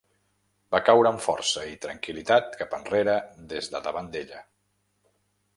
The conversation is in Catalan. Va caure amb força i tranquil·litat cap enrere des de davant ella.